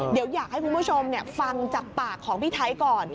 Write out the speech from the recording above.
เดี๋ยวอยากให้คุณผู้ชมฟังจากปากของพี่ไทยก่อน